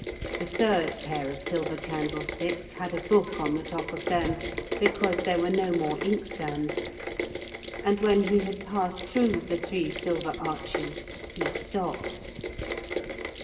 The third pair of silver candlesticks had a book on the top of them because there were no more inkstands. And when he had passed through the three silver arches, he stopped.